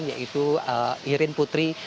yaitu iren putri